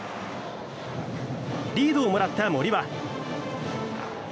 リードをもらった森は。